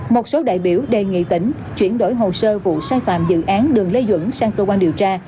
một số đại biểu đề nghị tỉnh chuyển đổi hồ sơ vụ sai phạm dự án đường lê duẩn sang cơ quan điều tra